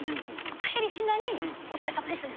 帰りしなに「お疲れさまでした。